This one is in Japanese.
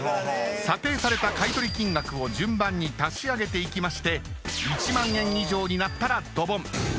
査定された買取金額を順番に足し上げていきまして１万円以上になったらドボン。